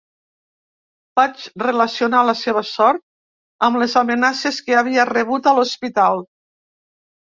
Vaig relacionar la seva sort amb les amenaces que havia rebut a l’hospital.